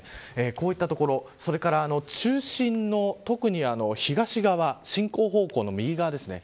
こういった所それから中心の特に東側進行方向の右側ですね。